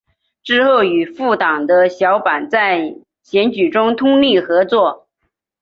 之后与复党的小坂在选举中通力合作。